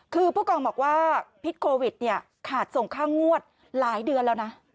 คือผู้กองบอกว่าพิษโควิดเนี่ยขาดส่งค่างวดหลายเดือนแล้วนะ